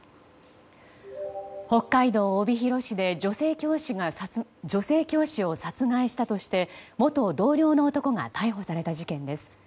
北海道帯広市で女性教師を殺害したとして元同僚の男が逮捕された事件です。